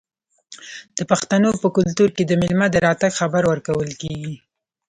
د پښتنو په کلتور کې د میلمه د راتګ خبر ورکول کیږي.